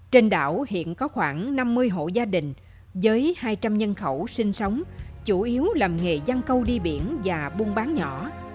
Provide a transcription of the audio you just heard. trên đảo hiện có khoảng năm mươi hộ gia đình với hai trăm linh nhân khẩu sinh sống chủ yếu làm nghề gian câu đi biển và buôn bán nhỏ